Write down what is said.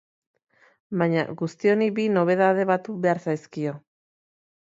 Baina guzti honi bi nobedade batu behar zaizkio.